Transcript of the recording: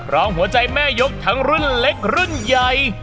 รองหัวใจแม่ยกทั้งรุ่นเล็กรุ่นใหญ่